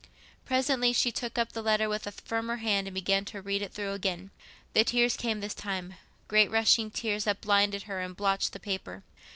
Presently she took up the letter with a firmer hand, and began to read it through again. The tears came this time—great rushing tears that blinded her and blotched the paper.